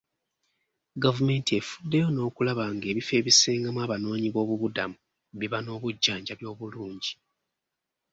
Gavumenti efuddeyo n'okulaba nga ebifo ebisengamu abanoonyiboobubudamu biba n'obujjanjabi obulungi.